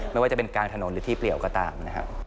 ไม่ว่าจะเป็นกลางถนนหรือที่เปลี่ยวก็ตามนะครับ